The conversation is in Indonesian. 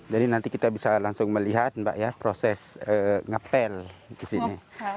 jadi nanti kita bisa langsung melihat mbak ya proses ngepel di sini